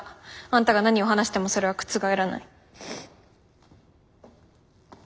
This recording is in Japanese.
あんたが何を話してもそれは覆らない。